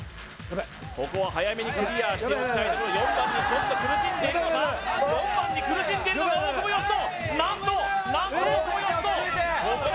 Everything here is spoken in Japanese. ここは早めにクリアしておきたい４番にちょっと苦しんでいるのか４番に苦しんでいる大久保嘉人何と何と大久保嘉人